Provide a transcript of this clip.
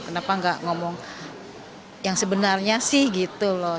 kenapa nggak ngomong yang sebenarnya sih gitu loh